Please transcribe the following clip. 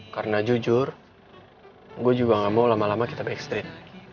karena jujur gue juga gak mau lama lama kita backstreet